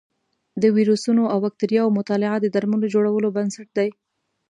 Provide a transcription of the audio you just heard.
د ویروسونو او بکتریاوو مطالعه د درملو جوړولو بنسټ دی.